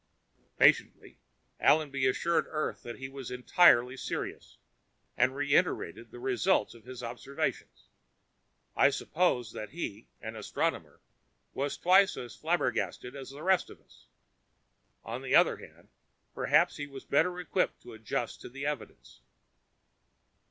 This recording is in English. Patiently, Allenby assured Earth that he was entirely serious, and reiterated the results of his observations. I suppose that he, an astronomer, was twice as flabbergasted as the rest of us. On the other hand, perhaps he was better equipped to adjust to the evidence.